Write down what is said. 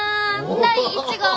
第１号！